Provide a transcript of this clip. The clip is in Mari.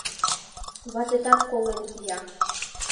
Ватетат колен кия